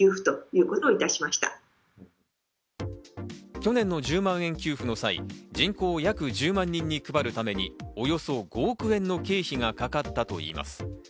去年の１０万円給付の際、人口約１０万人に配るためにおよそ５億円の経費がかかったといいます。